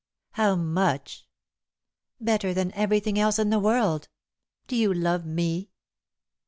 "How much?" "Better than everything else in the world. Do you love me?"